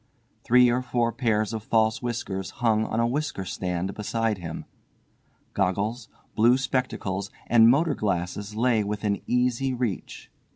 Three or four pairs of false whiskers hung on a whisker stand beside him. Goggles, blue spectacles and motor glasses lay within easy reach.